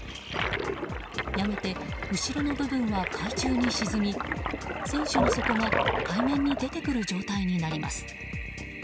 やがて、後ろの部分は海中に沈み船首の底が海面に出てくる状態になります。